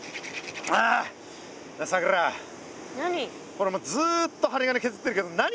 これもうずっと針金削ってるけど何？